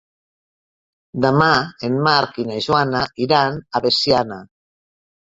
Demà en Marc i na Joana iran a Veciana.